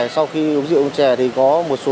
sau khi uống rượu uống chè thì có một số